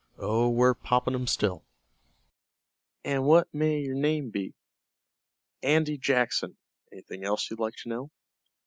"Oh, we're poppin' 'em still." "An' what may your name be?" "Andy Jackson. Anythin' else you'd like to know?"